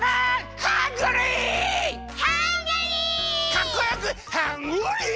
かっこよくハングリー！